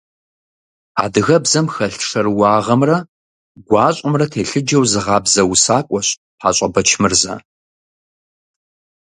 Адыгэбзэм хэлъ шэрыуагъэмрэ гуащӀэмрэ телъыджэу зыгъабзэ усакӀуэщ ПащӀэ Бэчмырзэ.